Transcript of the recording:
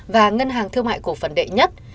và ngân hàng thương mại cổ phần đệ nhất